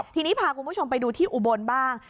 ทีนี้พาคุณผู้ชมไปดูที่อุบลบ้าง